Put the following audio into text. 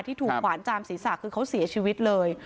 ที่ถูกขวานจามศีรษะคือเขาเสียชีวิตเลย